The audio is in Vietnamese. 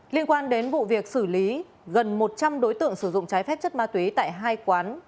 liên quan đến vụ việc xử lý gần một trăm linh đối tượng sử dụng trái phép chất ma túy tại hai quán